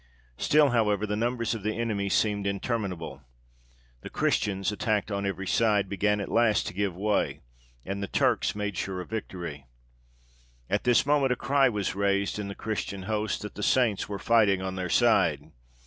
Still, however, the numbers of the enemy seemed interminable. The Christians, attacked on every side, began at last to give way, and the Turks made sure of victory. At this moment a cry was raised in the Christian host that the saints were fighting on their side.